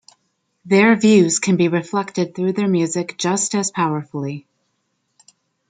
Their views can be reflected through their music just as powerfully.